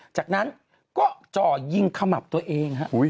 จากนั้นก็จ่อยิงขมับตัวเอง